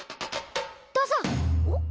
どうぞ。